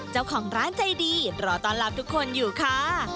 เจ้าของร้านใจดีรอต้อนรับทุกคนอยู่ค่ะ